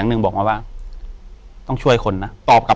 อยู่ที่แม่ศรีวิรัยยิวยวลครับ